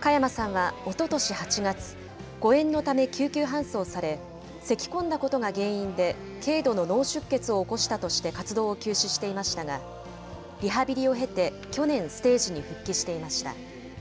加山さんはおととし８月、誤えんのため救急搬送され、せきこんだことが原因で軽度の脳出血を起こしたとして活動を休止していましたが、リハビリを経て去年、ステージに復帰していました。